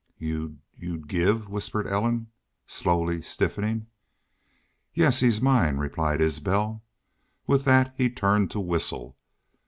"Y'u y'u give " whispered Ellen, slowly stiffening. "Yes. He's mine," replied Isbel. With that he turned to whistle.